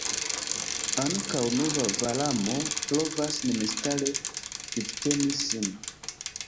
Ankaŭ nova Valamo provas memstare vivteni sin.